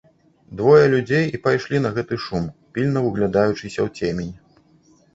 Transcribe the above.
Двое людзей і пайшлі на гэты шум, пільна ўглядаючыся ў цемень.